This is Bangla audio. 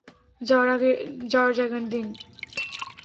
যাওয়ার জায়গা দিন!